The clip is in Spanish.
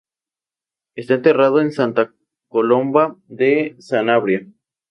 Está enterrado en Santa Colomba de Sanabria.